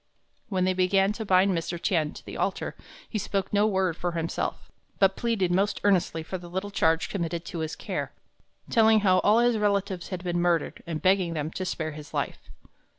When they began to bind Mr. Tien to the altar, he spoke no word for himself, but pleaded most earnestly for the little charge committed to his care, telling how all his relatives had been murdered, and begging them to spare his life.